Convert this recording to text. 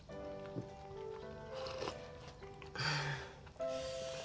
ああ。